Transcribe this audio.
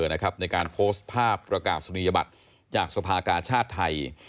ในการโพสต์ภาพประกาศนียบัตรจากสภากาชาติไทย